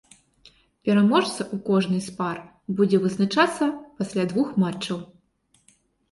Пераможца ў кожнай з пар будзе вызначацца пасля двух матчаў.